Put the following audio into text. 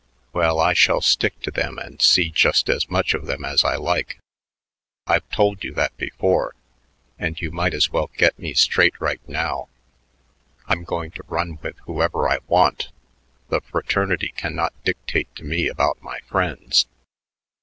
Well, I shall stick to them and see just as much of them as I like. I've told you that before, and you might as well get me straight right now: I'm going to run with whoever I want. The fraternity cannot dictate to me about my friends.